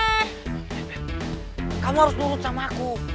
eh kamu harus nurut sama aku